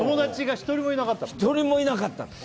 １人もいなかったです